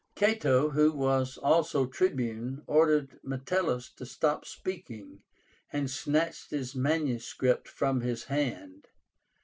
Cato, who was also Tribune, ordered Metellus to stop speaking, and snatched his manuscript from his hand.